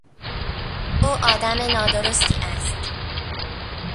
او آدم نادرستی است.